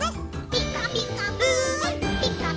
「ピカピカブ！ピカピカブ！